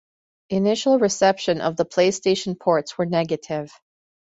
Initial reception of the PlayStation ports were negative.